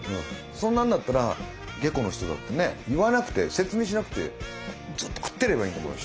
そんなんだったら下戸の人だってね言わなくて説明しなくてずっと食ってればいいんだもん